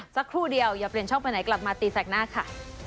สักครู่เดียวอย่าเปลี่ยนช่องไปไหนกลับมาตีแสกหน้าค่ะ